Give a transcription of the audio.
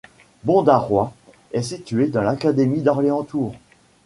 Bondaroy est située dans l'académie d'Orléans-Tours.